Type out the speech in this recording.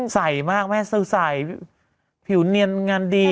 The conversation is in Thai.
ใสมากแม่ซื้อใสผิวเนียนงานดี